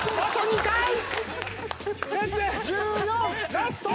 ラスト！